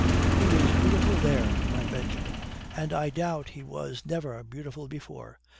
He is beautiful there, my Benjamin, and I doubt he was never beautiful before.